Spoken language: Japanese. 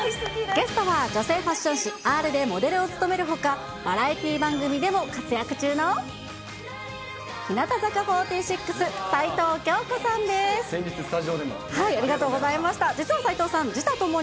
ゲストは女性ファッション誌、アールでモデルを務めるほか、バラエティー番組でも活躍中の、先日スタジオでも。